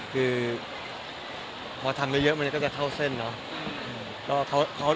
คือพอทำเยอะมันก็จะเข้าเส้นเนาะ